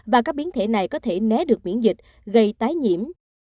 và các biến thể này có thể né được miễn dịch gây tái nhiễm